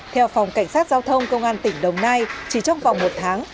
theo phòng cảnh sát giao thông công an tỉnh đồng nai chỉ trong vòng một tháng